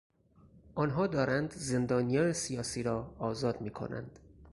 آنها دارند زندانیان سیاسی را آزاد میکنند.